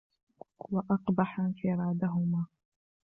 وَأَقْبَحَ انْفِرَادَهُمَا